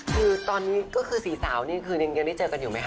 คือตอนนี้ก็คือสี่สาวนี่คือยังได้เจอกันอยู่ไหมค